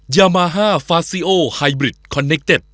ยามาฮ่าฟาซิโอไฮบริดคอนเนคเต็ด